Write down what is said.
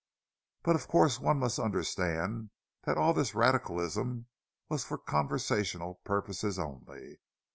But of course one must understand that all this radicalism was for conversational purposes only.